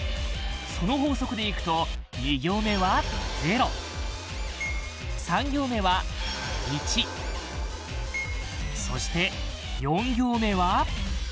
その法則でいくと２行目は「０」３行目は「１」そして４行目は？